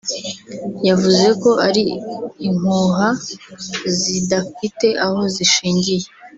yavuze ko ari impuha zidafite aho zishingiye